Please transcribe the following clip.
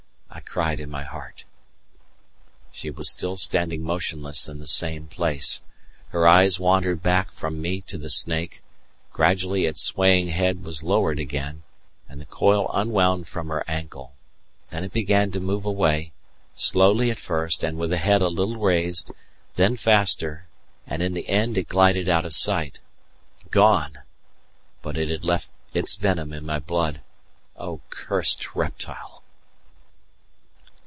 I cried in my heart. She was still standing motionless in the same place: her eyes wandered back from me to the snake; gradually its swaying head was lowered again, and the coil unwound from her ankle; then it began to move away, slowly at first, and with the head a little raised, then faster, and in the end it glided out of sight. Gone! but it had left its venom in my blood O cursed reptile!